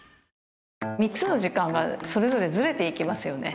３つの時間がそれぞれずれていきますよね。